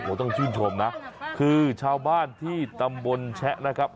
ต้องชื่นชมนะคือชาวบ้านที่ตำบลแชะนะครับ